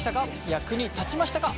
役に立ちましたか？